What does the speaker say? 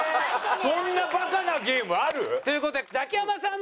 そんなバカなゲームある？という事でザキヤマさんの勝利！